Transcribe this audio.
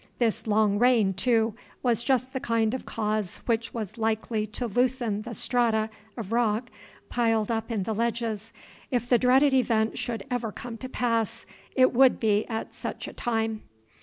This long rain, too, was just the kind of cause which was likely to loosen the strata of rock piled up in the ledges; if the dreaded event should ever come to pass, it would be at such a time.